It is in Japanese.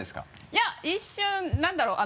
いや一瞬何だろう？